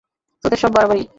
তোদের সব বাড়াবাড়ি।